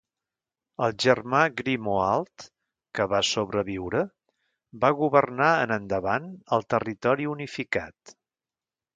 El germà Grimoald, que va sobreviure, va governar en endavant el territori unificat.